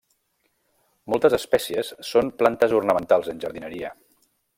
Moltes espècies són plantes ornamentals en jardineria.